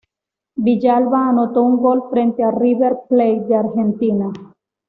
Villalba anotó un gol frente a River Plate de Argentina.